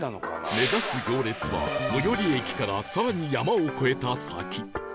目指す行列は最寄り駅から更に山を越えた先